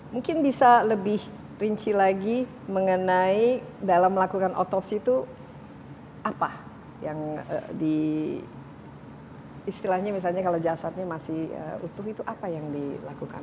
mungkin bisa lebih rinci lagi mengenai dalam melakukan otopsi itu apa yang di istilahnya misalnya kalau jasadnya masih utuh itu apa yang dilakukan